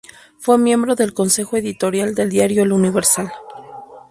Fue miembro del Consejo Editorial del diario El Universal.